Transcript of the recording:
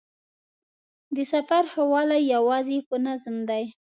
د سفر ښه والی یوازې په نظم دی.